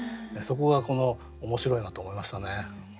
そこが面白いなと思いましたね。